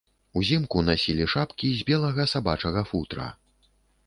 Узімку насілі шапкі з белага сабачага футра.